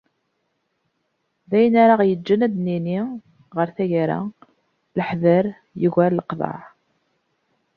D ayen ara aɣ-yeǧǧen ad d-nini ɣer taggara "leḥder yugar leqḍeɛ."